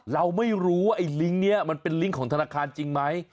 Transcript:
เราไม่รู้ว่าไอ้ลิงก์นี้มันเป็นลิงก์ของธนาคารจริงไหม